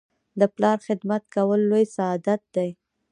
د پلار خدمت کول لوی سعادت دی.